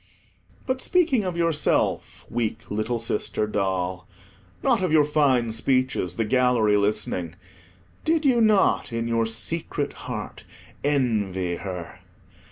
But speaking of yourself, weak little sister doll, not of your fine speeches, the gallery listening, did you not, in your secret heart, envy her?